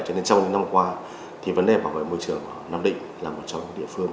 cho nên trong những năm qua thì vấn đề bảo vệ môi trường nam định là một trong những địa phương